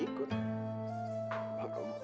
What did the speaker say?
iya gue juga mesti ikut